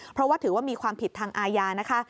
เพราะว่าถือว่ามีความผิดทางอาญานะคะ